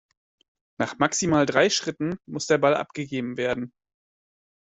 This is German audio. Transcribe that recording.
Nach maximal drei Schritten muss der Ball abgegeben werden.